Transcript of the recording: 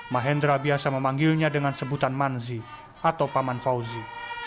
mahendra biasa memanggilnya dengan sebutan manzi atau paman fauzi